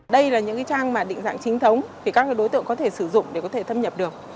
đây là những trang mà định dạng chính thống thì các đối tượng có thể sử dụng để có thể thâm nhập được